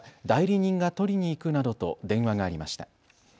代理人が取りに行くなどと電話がありました。